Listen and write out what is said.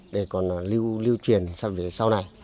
để còn lưu truyền sắp đến sau này